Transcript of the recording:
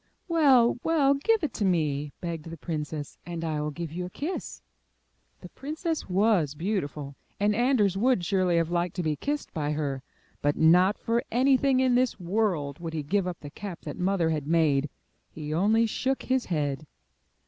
''Well, well, give it to me, begged the princess, "and I will give you a kiss. The princess was beautiful, and Anders would surely have liked to be kissed by her, but not for anything in this world would he give up the cap that Mother had made. He only shook his head.